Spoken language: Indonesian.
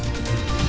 saya ke bang sarman